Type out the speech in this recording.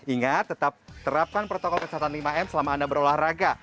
ingat tetap terapkan protokol kesehatan lima m selama anda berolahraga